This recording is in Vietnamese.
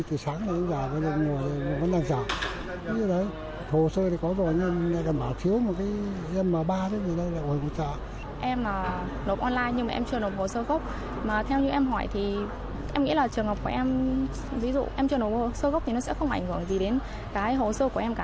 em nghĩ là trường hợp của em ví dụ em chưa nộp hồ sơ gốc thì nó sẽ không ảnh hưởng gì đến cái hồ sơ của em cả